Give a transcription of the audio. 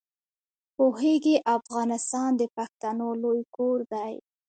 پوهېږې افغانستان د پښتنو لوی کور دی.